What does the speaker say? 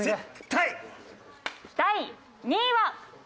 第２位は。